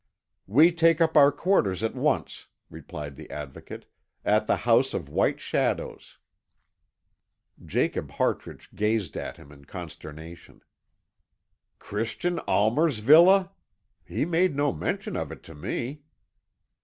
"We take up our quarters at once," replied the Advocate, "at the House of White Shadows." Jacob Hartrich gazed at him in consternation. "Christian Almer's villa! He made no mention of it to me."